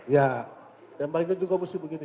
ya tembaknya juga mesti begini